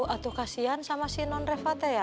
aduh kasian sama si non reva teh ya